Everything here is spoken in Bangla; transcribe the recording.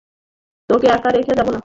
তোকে একা রেখে যাবো না।